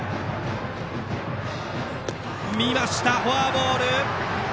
見ました、フォアボール。